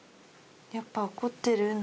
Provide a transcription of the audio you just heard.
やっぱ怒ってる？